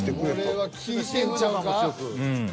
これはきいてんちゃうか。